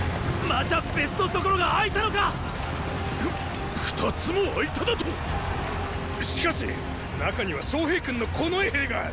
また別の所が開いたのかっ⁉ふっ二つも開いただと⁉しかし中には昌平君の近衛兵が！